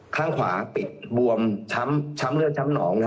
ข้างขวาปิดบวมช้ำเลือดช้ำหนอง